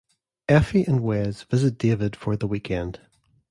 Effie and Wes visit David for the weekend.